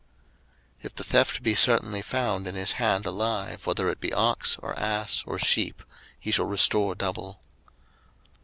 02:022:004 If the theft be certainly found in his hand alive, whether it be ox, or ass, or sheep; he shall restore double.